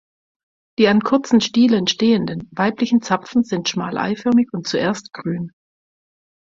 Die an kurzen Stielen stehenden, weiblichen Zapfen sind schmal eiförmig und zuerst grün.